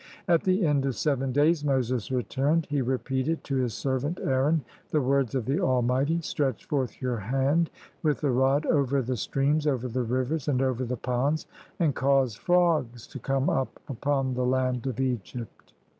At the end of seven days Moses returned. He re peated to his servant Aaron the words of the Almighty, — "Stretch forth your hand with the rod over the streams, over the rivers, and over the ponds, and cause frogs to come up upon the land of Egj'pt."